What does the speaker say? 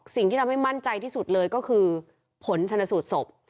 สิ่งที่ทำให้มั่นใจที่สุดเลยก็คือผลชนสูตรศพ